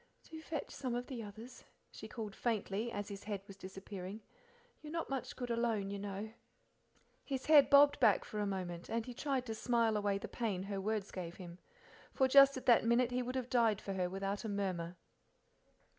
"Do fetch some of the others," she called faintly, as his head was disappearing. "You're not much good alone, you know." His head bobbed back a moment, and he tried to smile away the pain her words gave him, for just at that minute he would have died for her without a murmur.